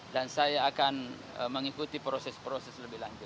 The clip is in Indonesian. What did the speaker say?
dan saya akan mengikuti proses proses lebih lanjut